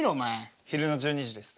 昼の１２時です。